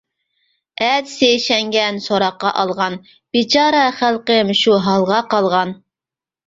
ئەتىسى شەڭگەن سوراققا ئالغان، بىچارە خەلقىم شۇ ھالغا قالغان.